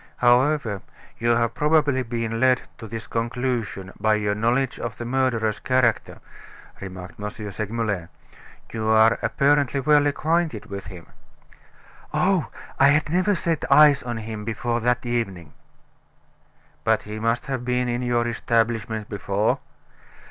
"However, you have probably been led to this conclusion by your knowledge of the murderer's character," remarked M. Segmuller, "you are apparently well acquainted with him." "Oh, I had never set eyes on him before that evening." "But he must have been in your establishment before?"